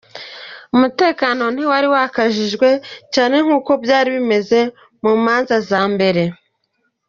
Umutekano ntiwari wakajijwe cyane nk'uko byari bimeze mu manza za mbere.